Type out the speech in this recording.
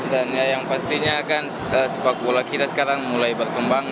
dan yang pastinya kan sepak bola kita sekarang mulai berkembang